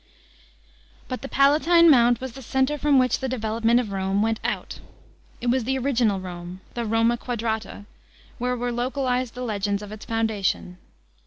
§ 6. But the Palatine Mount was the centre from which the de velopment of Rome went our. It was the original Rome, the Roma quadrata, where were localised the legends of its foundation.